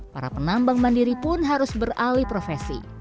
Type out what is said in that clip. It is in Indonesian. para penambang mandiri pun harus beralih profesi